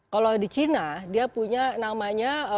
kalau di china dia punya namanya